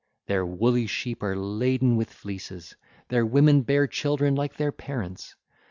Their woolly sheep are laden with fleeces; their women bear children like their parents.